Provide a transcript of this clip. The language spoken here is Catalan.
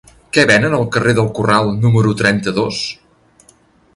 Què venen al carrer del Corral número trenta-dos?